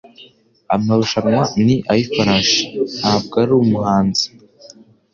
Amarushanwa ni ayifarashi, ntabwo ari umuhanzi.